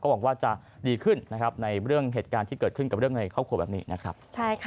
หวังว่าจะดีขึ้นนะครับในเรื่องเหตุการณ์ที่เกิดขึ้นกับเรื่องในครอบครัวแบบนี้นะครับ